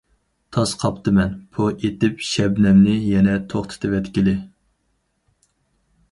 تاس قاپتىمەن، پو ئېتىپ شەبنەمنى يەنە توختىتىۋەتكىلى!